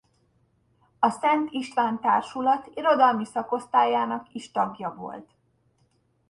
A Szent István Társulat irodalmi szakosztályának is tagja volt.